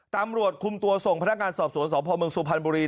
ตำรวจคุมตัวส่งพนักงานสอบสวนสพเมืองสุพรรณบุรี